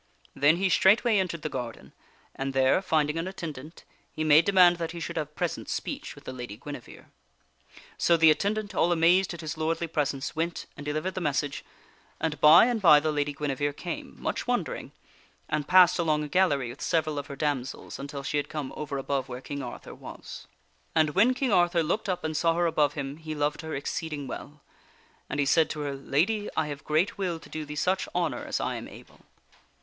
Then he straightway entered the garden, and there, finding an attendant, he made demand that he should have present speech with the Lady Guinevere. So the attendant, all amazed at his lordly presence, went and delivered the message, and by and by the Lady Guinevere came, much wondering, and passed along a gallery with several of her damsels, until she had come over above where King Arthur was. And when King Arthur looked up and saw her above him, he loved her exceeding well. And he said to her :" Lady, I have great will to do thee such honor as I am able.